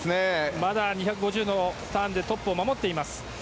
まだ２５０のターンでトップを守っています。